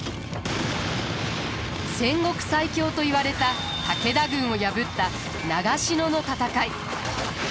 戦国最強といわれた武田軍を破った長篠の戦い。